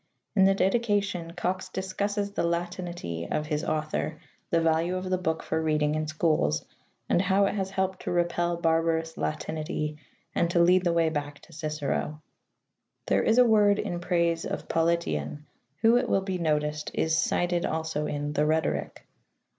In the Dedication Cox discusses the Latinity of his author, the value of the book for reading in schools, and how it has helped to repel barbarous Latinity and to lead the way back to Cicero. There is a word in praise of Politian, who, it will be noticed, is cited also in the Rhetoric.